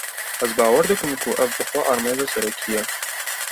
Ez bawer dikim ku ev bi xwe armanca serekî ye